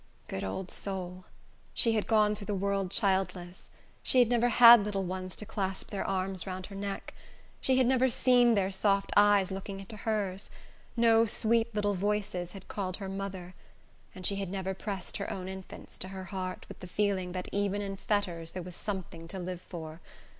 Good old soul! She had gone through the world childless. She had never had little ones to clasp their arms round her neck; she had never seen their soft eyes looking into hers; no sweet little voices had called her mother; she had never pressed her own infants to her heart, with the feeling that even in fetters there was something to live for.